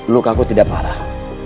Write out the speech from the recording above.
lukaku tidak parah